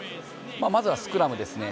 まずはスクラムですね。